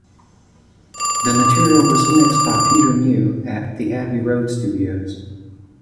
The material was mixed by Peter Mew at the Abbey Road studios.